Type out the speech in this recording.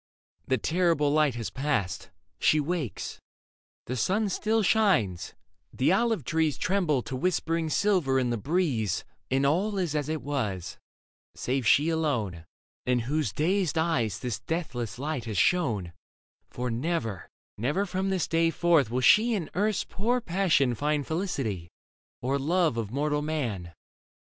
The terrible light has passed ; She wakes ; the sun still shines, the olive trees Tremble to whispering silver in the breeze And all is as it was, save she alone In whose dazed eyes this deathless light has shone : For never, never from this day forth will she In earth's poor passion find felicity. Or love of mortal man.